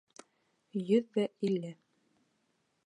Йөҙҙә илле.